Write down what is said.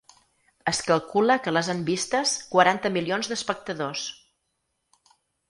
Es calcula que les han vistes quaranta milions d’espectadors.